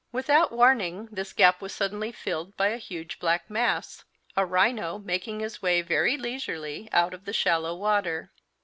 Without warning this gap was suddenly filled by a huge black mass a rhino making his way, very leisurely, out of the shallow water.